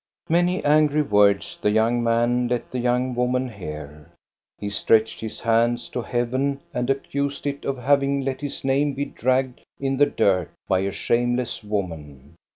Many angry words the young man let the young woman hear. He stretched his hands to heaven and accused it of having let his name be dragged in the dirt by a shameless woman.